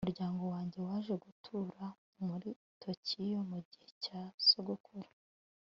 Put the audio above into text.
Umuryango wanjye waje gutura muri Tokiyo mugihe cya sogokuru